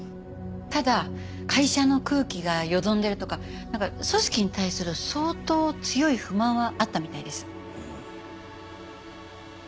ただ会社の空気がよどんでるとかなんか組織に対する相当強い不満はあったみたいです。